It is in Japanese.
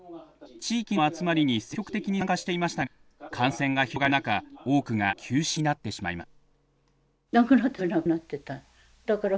地域の集まりに積極的に参加していましたが感染が広がる中多くが休止になってしまいました。